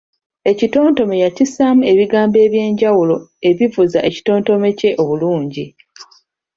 Ekitontome yakissaamu ebigambo eby’enjawulo ebivuza ekitontome kye obulungi.